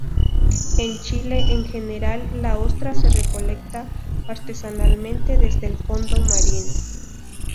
En Chile en general la ostra se recolecta artesanalmente desde el fondo marino.